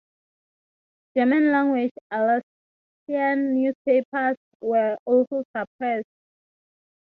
German-language Alsatian newspapers were also suppressed.